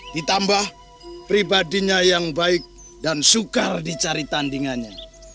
ditambah pribadinya yang baik dan sukar dicari tandingannya